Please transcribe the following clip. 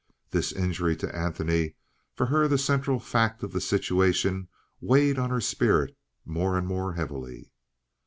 This injury to Antony, for her the central fact of the situation, weighed on her spirit more and more heavily.